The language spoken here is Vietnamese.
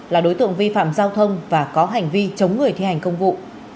là đối tượng vi phạm giao thông và có hành vi chống người thi hành công vụ